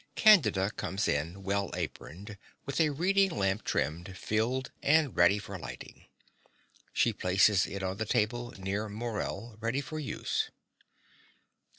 (Candida comes in, well aproned, with a reading lamp trimmed, filled, and ready for lighting. She places it on the table near Morell, ready for use.)